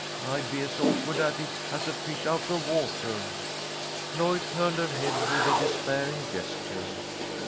I'd be as awkward at it as a fish out of water." Lloyd turned her head with a despairing gesture.